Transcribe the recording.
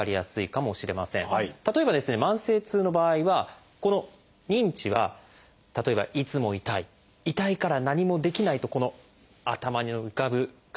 例えば慢性痛の場合はこの「認知」は例えば「いつも痛い」「痛いから何もできない」と頭に浮かぶ考えですね。